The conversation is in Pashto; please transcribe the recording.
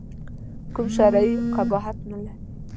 کوم شرعي قباحت نه لري.